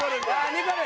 ニコル！